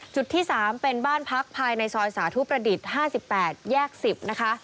จุดที่๓เป็นบ้านพักภายในซอยสาธุประดิษฐ์๕๘แยก๑๐นะคะ